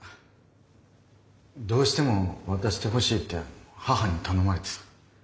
どうしても渡してほしいって母に頼まれてさ。